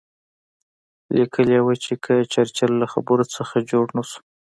لیکلي یې وو چې که د چرچل له خبرو څه جوړ نه شو.